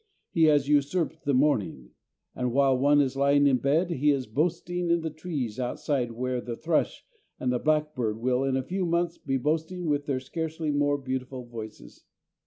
He has usurped the morning, and, while one is lying in bed, he is boasting in the trees outside where the thrush and the blackbird will in a few months be boasting with their scarcely more beautiful voices.